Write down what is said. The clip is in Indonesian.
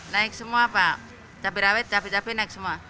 naik semua pak cabai rawit cabai cabai naik semua